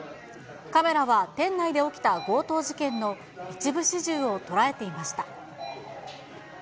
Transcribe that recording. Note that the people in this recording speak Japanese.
カメラは店内で起きた強盗事件の一部始終を捉えていました。